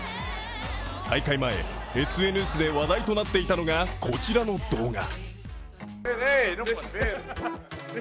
大会前、ＳＮＳで話題となっていたのがこちらの動画。